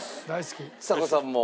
ちさ子さんも？